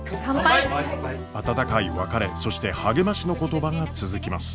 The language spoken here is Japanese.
温かい別れそして励ましの言葉が続きます。